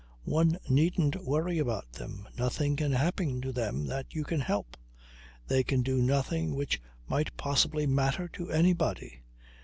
One needn't worry about them. Nothing can happen to them that you can help. They can do nothing which might possibly matter to anybody.